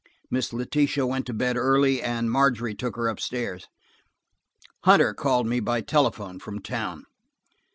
Miss Letitia went to bed early, and Margery took her up stairs. Hunter called me by telephone from town.